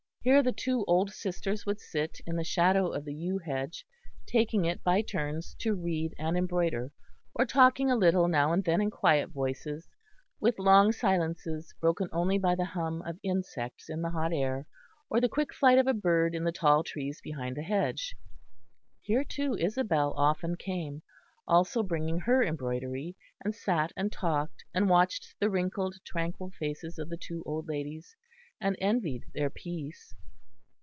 Here the two old sisters would sit, in the shadow of the yew hedge, taking it by turns to read and embroider, or talking a little now and then in quiet voices, with long silences broken only by the hum of insects in the hot air, or the quick flight of a bird in the tall trees behind the hedge. Here too Isabel often came, also bringing her embroidery; and sat and talked and watched the wrinkled tranquil faces of the two old ladies, and envied their peace.